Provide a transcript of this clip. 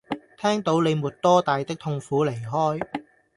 聽到你沒多大的痛苦離開